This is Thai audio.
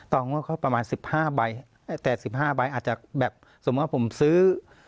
ต่องวดเขาประมาณสิบห้าใบแต่สิบห้าใบอาจจะแบบสมมุติว่าผมซื้อ